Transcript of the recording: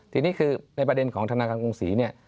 ทีนี้คือในประเด็นของธนาคารกรุงศรีเนี่ย